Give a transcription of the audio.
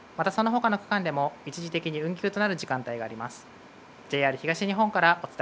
またそのほかの区間でも一時的に運休となる時間帯があります。